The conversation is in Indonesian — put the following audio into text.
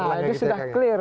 nah ini sudah clear